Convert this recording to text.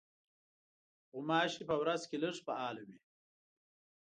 غوماشې په ورځ کې لږ فعالې وي.